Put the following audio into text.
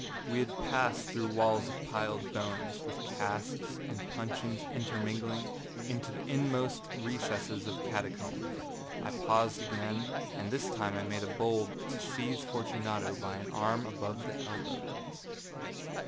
We had passed through walls of piled bones, with casks and puncheons intermingling, into the inmost recesses of the catacombs. I paused again, and this time I made bold to seize Fortunato by an arm above the elbow.